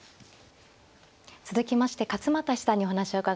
続きまして勝又七段にお話を伺います。